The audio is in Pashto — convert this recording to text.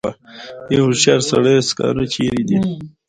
ای هوښیار سړیه سکاره چېرې دي.